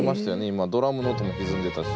今ドラムの音もひずんでたし。